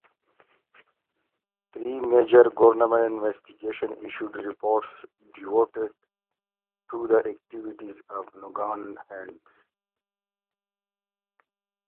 Three major government investigations issued reports devoted to the activities of Nugan Hand.